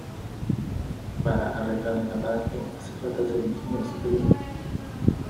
para arreglar el aparato hace falta ser ingeniero superior